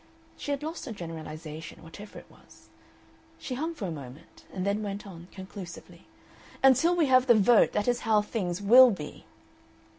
She had lost her generalization, whatever it was. She hung for a moment, and then went on, conclusively, "Until we have the vote that is how things WILL be."